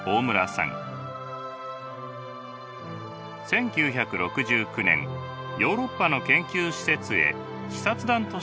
１９６９年ヨーロッパの研究施設へ視察団として参加します。